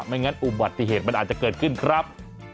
ไม่งั้นอุบัติเหตุมันอาจจะเกิดขึ้นครับ